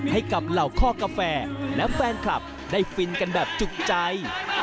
ให้กับเหล่าข้อกาแฟและแฟนคลับได้ฟินกันแบบจุกใจ